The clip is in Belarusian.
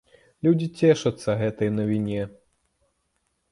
Людзі цешацца гэтай навіне.